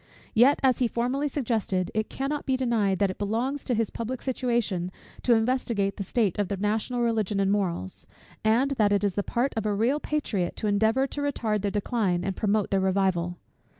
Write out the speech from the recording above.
Yet, as he formerly suggested, it cannot be denied, that it belongs to his public situation to investigate the state of the national Religion and morals; and that it is the part of a real patriot to endeavour to retard their decline, and promote their revival.